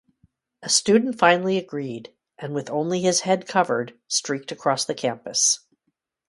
A student finally agreed, and with only his head covered, streaked across the campus.